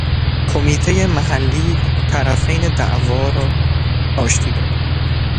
کمیتهٔ محلی طرفین دعواء را آشتی داد.